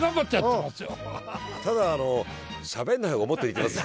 ただしゃべんない方がもっと似てます。